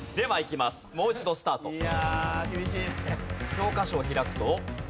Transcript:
教科書を開くと。